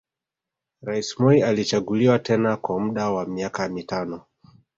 Rais Moi alichaguliwa tena kwa muda wa miaka mitano